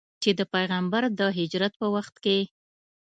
چې د پیغمبر د هجرت په وخت کې.